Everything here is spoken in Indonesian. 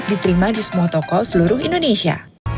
diterima di semua toko seluruh indonesia